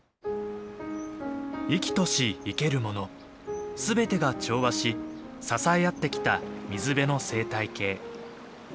生きとし生けるもの全てが調和し支え合ってきた水辺の生態系。